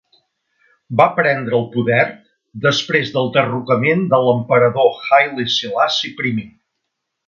Va prendre el poder després del derrocament de l'emperador Haile Selassie I.